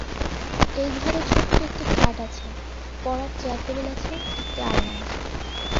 এই ঘরে ছোট্ট একটি খাট আছে, পড়ার চেয়ার-টেবিল আছে, একটি আলনা আছে।